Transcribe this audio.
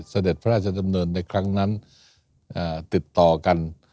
เสด็จพระราชดำเนินในครั้งนั้นติดต่อกัน